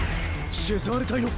シェザール隊の。